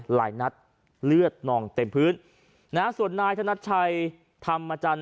หลายนัดเลือดนองเต็มพื้นนะฮะส่วนนายธนัดชัยธรรมจันท